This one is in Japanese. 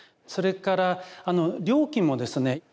それから料金もですね